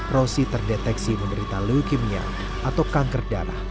rosi terdeteksi menderita leukemia atau kanker darah